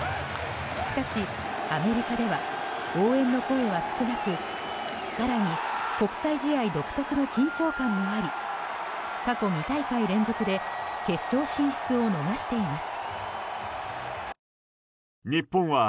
しかし、アメリカでは応援の声は少なく更に、国際試合独特の緊張感もあり過去２大会連続で決勝進出を逃しています。